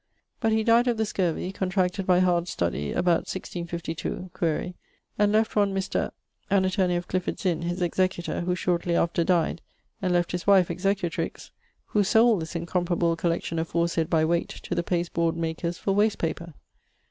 But he died of the scurvey, contracted by hard study, about 1652 (quaere), and left one Mr. ..., an attorney of Clifford's Inne, his executor, who shortly after died, and left his wife executrix, who sold this incomparable collection aforesaid by weight to the past board makers for wast paper.